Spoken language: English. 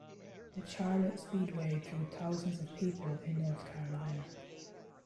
The Charlotte Speedway drew thousands of people in North Carolina.